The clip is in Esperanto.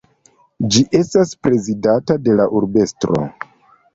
Ĝi estas prezidata de la urbestro.